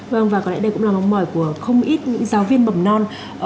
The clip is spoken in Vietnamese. vâng và có lẽ đây cũng là mong mỏi của không ít giáo viên bậc mầm non